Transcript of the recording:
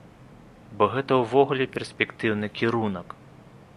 Бо гэта ўвогуле перспектыўны кірунак.